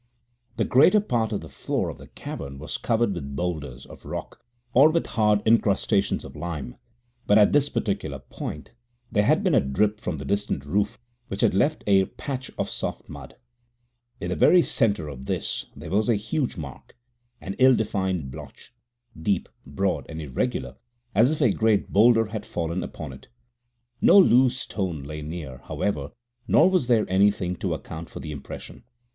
< 6 > The greater part of the floor of the cavern was covered with boulders of rock or with hard incrustations of lime, but at this particular point there had been a drip from the distant roof, which had left a patch of soft mud. In the very centre of this there was a huge mark an ill defined blotch, deep, broad and irregular, as if a great boulder had fallen upon it. No loose stone lay near, however, nor was there anything to account for the impression.